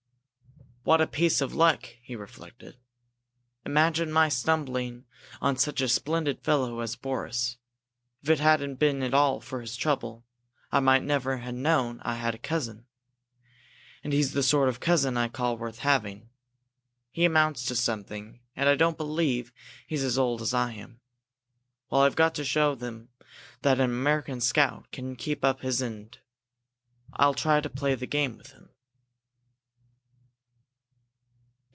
"What a piece of luck!" he reflected. "Imagine my stumbling on such a splendid fellow as Boris! If it hadn't been for all this trouble, I might never have known I had a cousin! And he's the sort of cousin I call worth having! He amounts to something and I don't believe he's as old as I am. Well, I've got to show him that an American scout can keep up his end! I'll try to play the game with him."